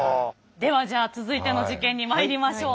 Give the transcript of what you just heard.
ではじゃあ続いての事件にまいりましょう。